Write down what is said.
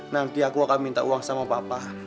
nanti aku akan minta uang sama papa